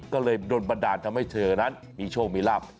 ก็เลยโดนบันดาลทำให้เธอนั้นมีโชคมีลาบ